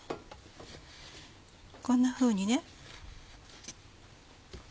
こんなふうにね。